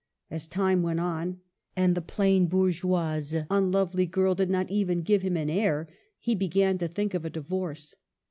As time went on, and the plain, bourgeoise, unlovely girl did not even give him an heir, he began to think of a di vorce.